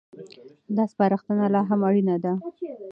دا سپارښتنه لا هم اړينه ده.